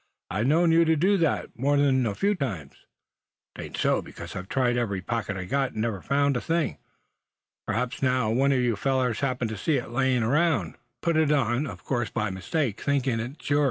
I've known you to do that more'n a few times." "'Tain't so, because I've tried every pocket I've got, and never found a thing. P'raps, now, one of you fellers happened to see it lying around, and put it on, of course by mistake, thinkin' it his own.